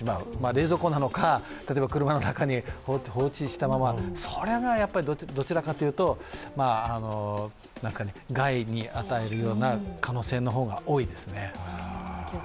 冷蔵庫なのか、車の中に放置したまま、それがどちらかというと害に当たるような可能性の方が多いですね。